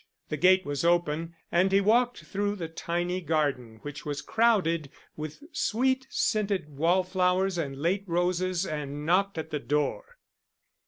The gate was open, and he walked through the tiny garden, which was crowded with sweet scented wallflowers and late roses, and knocked at the door.